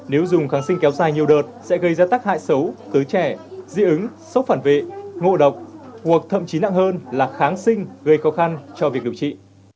nếu dùng kháng sinh kéo dài nhiều đợt sẽ gây ra tác hại xấu tới trẻ dị ứng sốc phản vệ ngộ độc hoặc thậm chí nặng hơn là kháng sinh gây khó khăn cho việc điều trị